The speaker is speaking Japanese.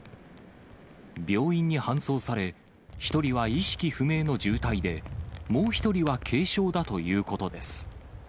病院に搬送され、１人は意識不明の重体で、もう１人は軽傷だということです。